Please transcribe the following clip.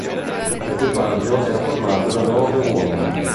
L'equipaggio era formato da nove uomini.